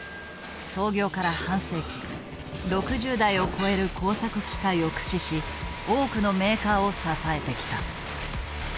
創業から半世紀６０台を超える工作機械を駆使し多くのメーカーを支えてきた。